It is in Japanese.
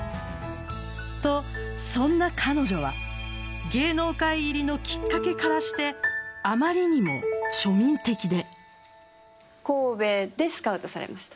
と、そんな彼女は芸能界入りのきっかけからしてあまりにも庶民的で。